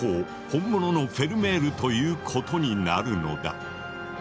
本物のフェルメールということになるのだ。